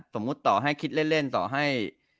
สมมุติต่อให้คิดเล่นต่อให้